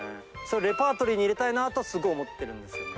レパートリーに入れたいなとすごい思ってるんですよね。